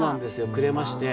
くれまして。